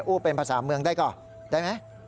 เป็นภาษาเมืองได้ก่อนได้ไหม